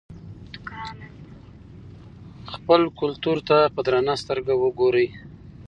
خپل کلتور ته په درنه سترګه وګورئ.